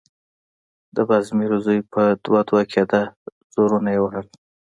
د بازمير زوی په دوه_ دوه کېده، زورونه يې وهل…